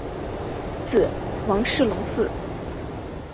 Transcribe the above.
子王士隆嗣。